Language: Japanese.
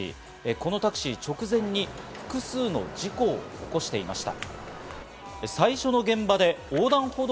このタクシー、直前に複数の事故を起こしていました。